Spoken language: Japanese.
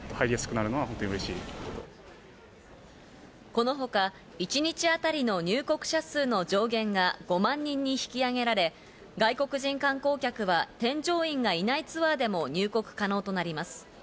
このほか、一日当たりの入国者数の上限が５万人に引き上げられ、外国人観光客は添乗員がいないツアーでも入国可能となります。